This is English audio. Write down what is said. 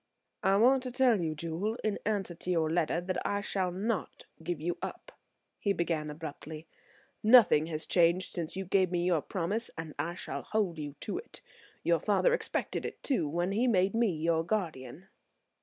"I want to tell you, Jewel, in answer to your letter, that I shall not give you up," he began abruptly. "Nothing is changed since you gave me your promise and I shall hold you to it. Your father expected it, too, when he made me your guardian."